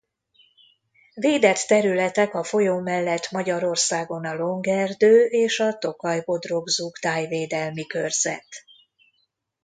Védett területek a folyó mellett Magyarországon a Long-erdő és a Tokaj–Bodrogzug Tájvédelmi Körzet.